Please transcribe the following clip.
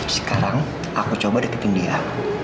sekarang aku coba deketin dia